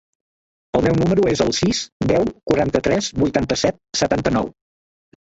El meu número es el sis, deu, quaranta-tres, vuitanta-set, setanta-nou.